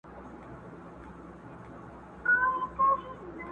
په سلا کي د وزیر هیڅ اثر نه وو٫